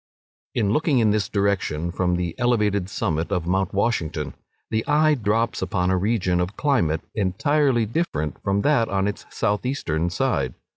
In looking in this direction from the elevated summit of Mount Washington, the eye drops upon a region of climate entirely different from that on its south eastern side.